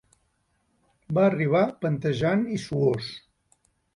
Va arribar panteixant i suós.